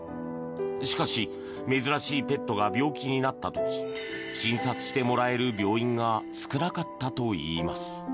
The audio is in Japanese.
しかし、珍しいペットが病気になった時診察してもらえる病院が少なかったといいます。